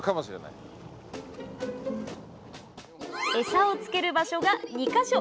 餌をつける場所が２か所。